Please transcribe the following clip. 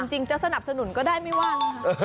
จริงจะสนับสนุนก็ได้ไม่ว่าง